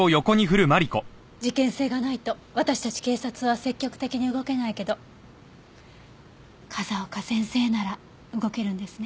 事件性がないと私たち警察は積極的に動けないけど風丘先生なら動けるんですね。